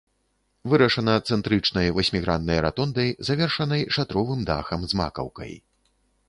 Вырашана цэнтрычнай васьміграннай ратондай, завершанай шатровым дахам з макаўкай.